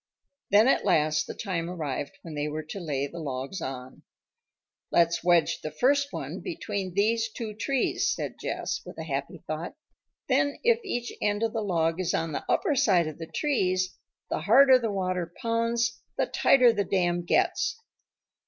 Then at last the time arrived when they were to lay the logs on. "Let's wedge the first one between these two trees," said Jess, with a happy thought. "Then if each end of the log is on the upper side of the trees, the harder the water pounds the tighter the dam gets."